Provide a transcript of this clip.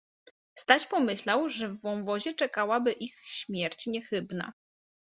Staś pomyślał, że w wąwozie czekałaby ich śmierć niechybna.